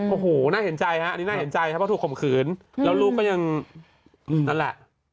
โอ้โหน่าเห็นใจฮะอันนี้น่าเห็นใจครับเพราะถูกข่มขืนแล้วลูกก็ยังนั่นแหละ